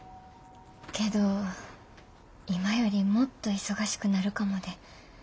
けど今よりもっと忙しくなるかもで。